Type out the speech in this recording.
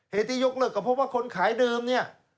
เหตุที่ยกเลิกก็เพราะว่าคนขายเดิมเนี่ย